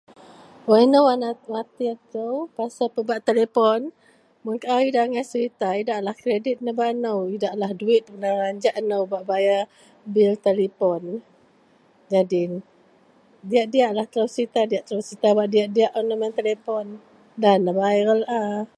wak inou wak ne newatir kou pasel pebak telepon, mun au idak agai serita idaklah kredit nebak nou, idaklah duwit nebelanjak nou nebak bayar telepon, nyadin diyak-diyak telou serita. Diyak telou serita wak diyak-diyak un dagen telepon dalah viral a